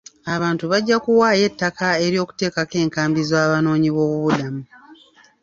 Abantu bajja kuwaayo ettaka ery'uteekako enkambi z'abanoonyi b'obubudamu.